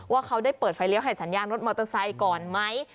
ว่าเขาได้เปิดไฟเลี้ยให้สัญญาณรถมอเตอร์ไซค์ก่อนไหม